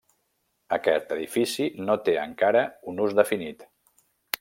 Aquest edifici no té encara un ús definit.